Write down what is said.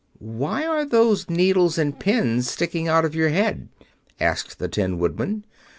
"Why are those needles and pins sticking out of your head?" asked the Tin Woodman.